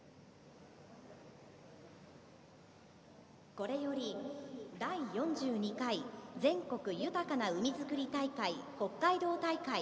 これより「第４２回全国豊かな海づくり大会北海道大会」